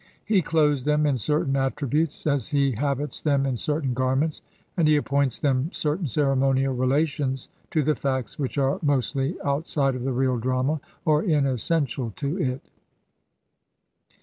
He clothes them in certain attributes, as he habits them in certain garments, and he appoints them certain ceremonial relations to the facts which are mostly out side of the real drama, or inessential to it.